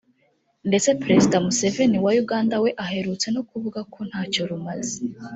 ndetse Perezida Museveni wa Uganda we aherutse no kuvuga ko ntacyo rumaze